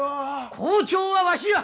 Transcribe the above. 校長はわしや！